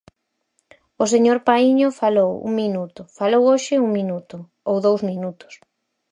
O señor Paíño falou un minuto, falou hoxe un minuto, ou dous minutos.